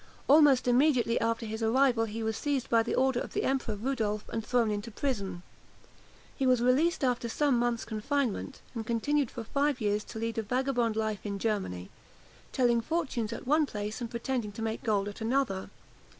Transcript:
Almost immediately after his arrival, he was seized by order of the Emperor Rudolph, and thrown into prison. He was released after some months' confinement, and continued for five years to lead a vagabond life in Germany, telling fortunes at one place, and pretending to make gold at another.